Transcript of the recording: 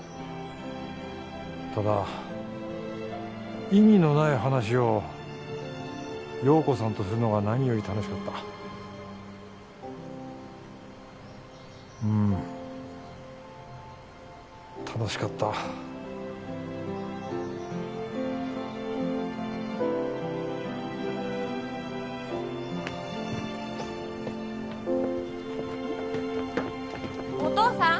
ただ意味のない話を陽子さんとするのが何より楽しかったうん楽しかったお父さん！